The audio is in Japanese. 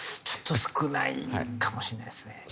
ちょっと少ないかもしれないですね。